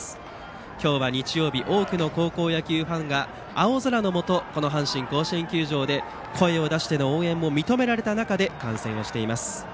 今日は日曜日なので多くの高校野球ファンが青空の下この阪神甲子園球場で声を出しての応援も認められた中で観戦をしています。